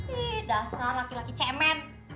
sih dasar laki laki cemen